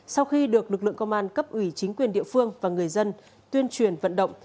sau khi được lực lượng công an cấp ủy chính quyền địa phương và người dân tuyên truyền vận động